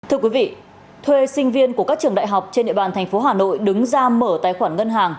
thưa quý vị thuê sinh viên của các trường đại học trên địa bàn thành phố hà nội đứng ra mở tài khoản ngân hàng